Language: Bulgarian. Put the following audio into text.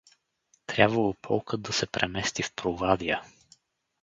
Трябвало полкът да се премести в Провадия.